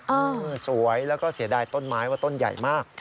เออสวยแล้วก็เสียดายต้นไม้ว่าต้นใหญ่มาก